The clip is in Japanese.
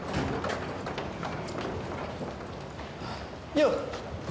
よう！